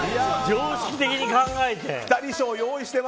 常識的に考えて。